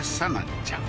ちゃん